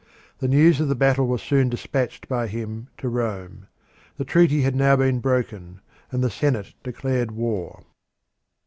The news of the battle was soon despatched by him to Rome. The treaty had now been broken, and the Senate declared war.